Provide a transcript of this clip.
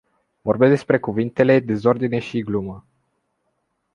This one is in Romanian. Vorbesc despre cuvintele "dezordine” și "glumă”.